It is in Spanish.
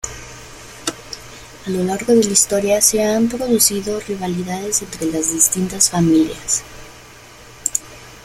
A lo largo de la historia se han producido rivalidades entre las distintas familias.